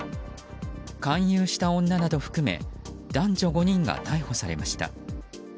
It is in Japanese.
勧誘した女など含め男女５人が逮捕されました。